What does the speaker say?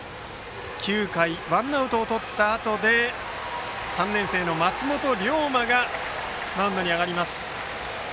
９回ワンアウトをとったあとで３年生の松元涼馬がマウンドに上がります。